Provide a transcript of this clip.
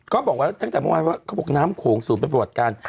ก็บอกว่าตั้งแต่เมื่อวานว่าเขาบอกน้ำโขงสูงเป็นประวัติการ